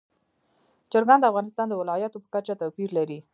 چرګان د افغانستان د ولایاتو په کچه توپیر لري.